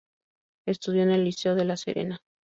Estudio en el Liceo de La Serena.